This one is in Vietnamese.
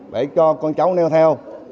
để cho con cháu nêu theo